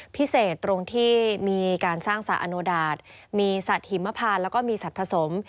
พิเศษตรงที่มีการสร้างสระอโนดาตมีสัตว์หิมพานแล้วก็มีสัตว์ผสม